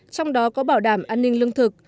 trong đó có bảo đảm an ninh lương thực